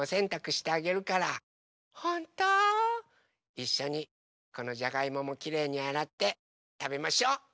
いっしょにこのじゃがいももきれいにあらってたべましょう。